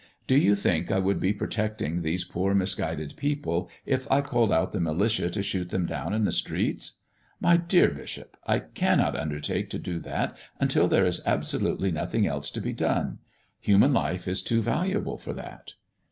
Do you think I would be protecting these poor, misguided people if I called out the militia to shoot them down in the streets? My dear bishop, I cannot undertake to do that until there is absolutely nothing else to be done. Human life is too valuable for that."